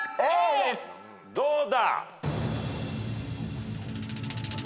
どうだ！？